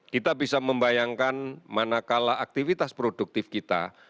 kita bisa membayangkan manakala aktivitas produktif kita